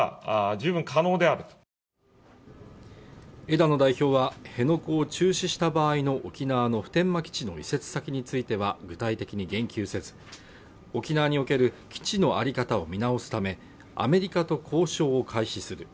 枝野代表は、辺野古を中止した場合の沖縄の普天間基地の移設先については具体的に言及せず、沖縄における基地のあり方を見直すためアメリカと交渉を開始する。